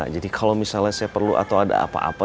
jadi kalau misalnya saya perlu atau ada apa apa